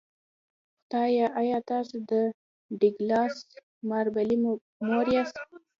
خدایه ایا تاسو د ډګلاس مابرلي مور یاست